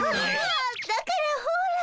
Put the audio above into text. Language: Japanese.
だからほら。